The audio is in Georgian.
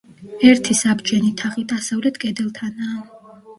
ერთი საბჯენი თაღი დასავლეთ კედელთანაა.